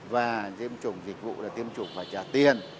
và tiêm chủng dịch vụ là tiêm chủng và trả tiền